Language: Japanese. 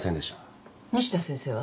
西名先生は？